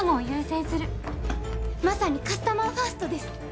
まさにカスタマーファーストです。